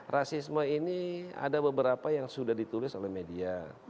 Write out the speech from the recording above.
rasisme ini ada beberapa yang sudah ditulis oleh media